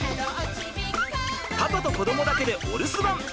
パパと子どもだけでお留守番。